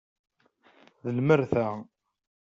D lmerta.